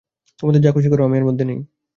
তোমাদের যা খুশি করো, আমি এর মধ্যে নেই।